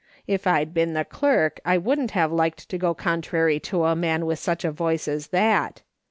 If I'd been the clerk I wouldn't have liked to go contrary to a man with such a voice as that.